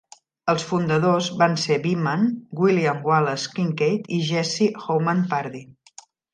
Els fundadors van ser Beeman, William Wallace Kincaid i Jesse Homan Pardee.